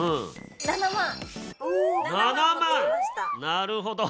なるほど。